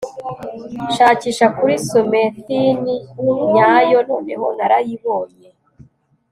shakisha 'kuri somethin' nyayo, noneho narayibonye